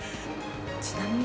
ちなみに？